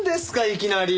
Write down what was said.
いきなり。